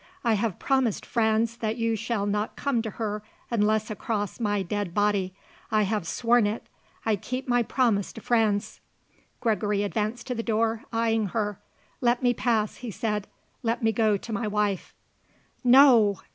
I have promised Franz that you shall not come to her unless across my dead body. I have sworn it! I keep my promise to Franz!" Gregory advanced to the door, eyeing her. "Let me pass," he said. "Let me go to my wife." "No!